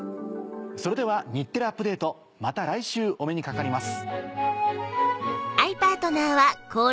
それでは『日テレアップＤａｔｅ！』また来週お目にかかります。